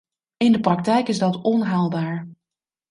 In de praktijk is dat onhaalbaar.